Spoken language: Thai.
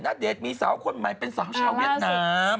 ณเดชน์มีสาวคนใหม่เป็นสาวชาวเวียดนาม